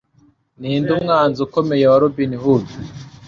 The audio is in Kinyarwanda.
Ninde Umwanzi Ukomeye wa Robin Hood?